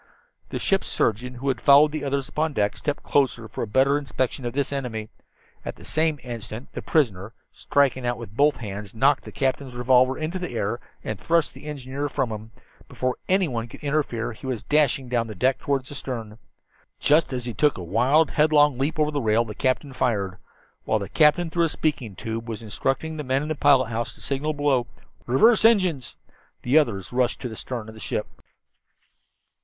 The ship's surgeon, who had followed the others upon deck, stepped closer for a better inspection of this enemy. At the same instant the prisoner, striking out with both hands, knocked the captain's revolver hand into the air, and thrust the engineer from him. Before anyone could interfere he was dashing down the deck toward the stern. Just as he took a wild, headlong leap over the rail the captain fired. While the captain, through a speaking tube, was instructing the man in the pilot house to signal below "Reverse engines," the others rushed to the stern of the ship.